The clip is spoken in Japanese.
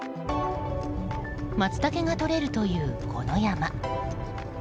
マツタケがとれるというこの山。